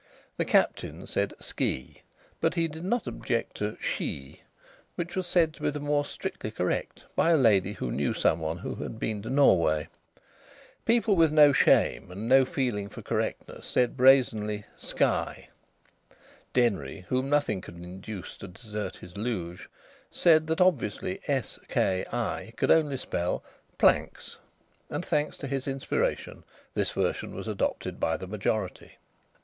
The Captain said "skee," but he did not object to "shee," which was said to be the more strictly correct by a lady who knew some one who had been to Norway. People with no shame and no feeling for correctness said brazenly, "sky." Denry, whom nothing could induce to desert his luge, said that obviously "s k i" could only spell "planks." And thanks to his inspiration this version was adopted by the majority.